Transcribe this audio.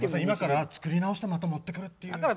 今から作り直してまた持ってくるっていう。